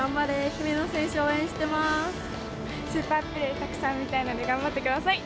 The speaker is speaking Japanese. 姫野選手、スーパープレー、たくさん見たいので、頑張ってください。